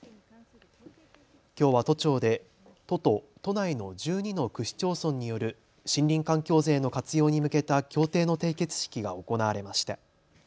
きょうは都庁で都と都内の１２の区市町村による森林環境税の活用に向けた協定の締結式が行われました。